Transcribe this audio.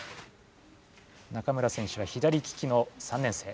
中村選手は左ききの３年生。